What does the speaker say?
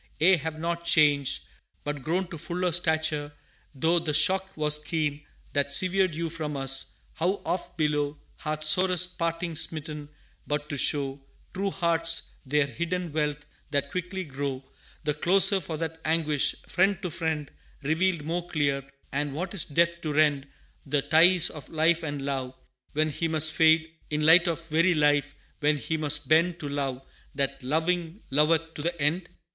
ye have not changed, but grown To fuller stature; though the shock was keen That severed you from us, how oft below Hath sorest parting smitten but to show True hearts their hidden wealth that quickly grow The closer for that anguish, friend to friend Revealed more clear, and what is Death to rend The ties of life and love, when He must fade In light of very Life, when He must bend To love, that, loving, loveth to the end?